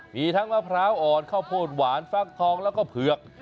มีทั้งมะพร้าวอ่อนข้าวโพดหวานฟักทองแล้วก็เผือก